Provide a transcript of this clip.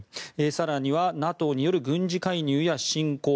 更には、ＮＡＴＯによる軍事介入や侵攻